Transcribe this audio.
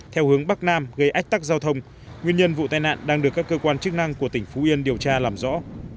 theo hướng bắc nam gây ách tắc giao thông nguyên nhân vụ tai nạn đang được các cơ quan chức năng của tỉnh phú yên điều tra làm rõ